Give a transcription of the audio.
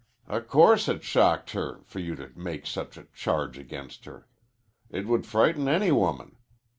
"O' course it shocked her for you to make such a charge against her. It would frighten any woman.